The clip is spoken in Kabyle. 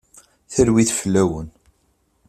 Talwit fell-awen.